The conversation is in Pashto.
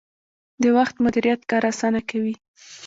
د وخت مدیریت کار اسانه کوي